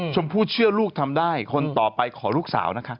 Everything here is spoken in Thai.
ชมพู่เชื่อลูกทำได้คนต่อไปขอลูกสาวนะคะ